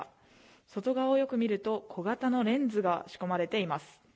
外側をよく見ると、小型のレンズが仕込まれています。